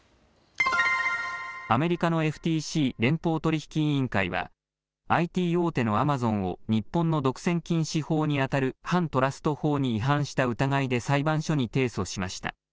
アメリカのＦＴＣ・連邦取引委員会はＩＴ大手のアマゾンを日本の独占禁止法にあたる反トラスト法に違反した疑いで裁判所に提訴しました。